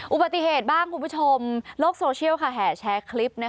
อุบัติเหตุบ้างคุณผู้ชมโลกโซเชียลแห่แชร์คลิป